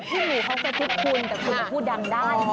พี่หมูเขาจะคิดคุณแต่คุณก็พูดดำได้